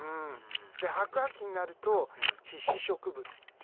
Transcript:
で白亜紀になると被子植物っていう。